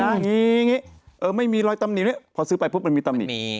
อย่างนี้ไม่มีรอยตำหนิด้วยพอซื้อไปปุ๊บมันมีตำหนิ